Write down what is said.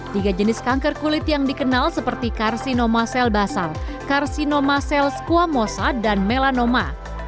tiga jenis kanker kulit yang dikenal seperti karsinoma sel basal karsinoma cell squamosa dan melanoma